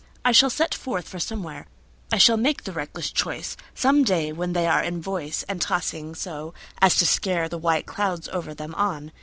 I shall set forth for somewhere,I shall make the reckless choiceSome day when they are in voiceAnd tossing so as to scareThe white clouds over them on.